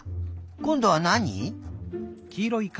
こんどはなに？